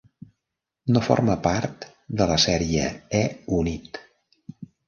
No forma part de la sèrie E-unit.